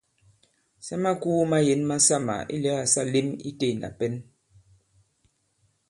Sa makūu mayěn masamà ilɛ̀gâ sa lēm itē ìna pɛ̌n.